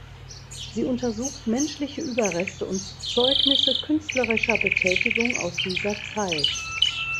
Sie untersucht menschliche Überreste und Zeugnisse künstlerischer Betätigung aus dieser Zeit.